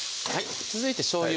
続いてしょうゆ